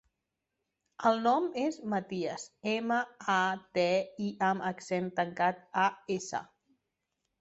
El nom és Matías: ema, a, te, i amb accent tancat, a, essa.